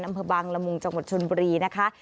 อำเภอบางละมุงจังหวัดชนบุรีนะคะ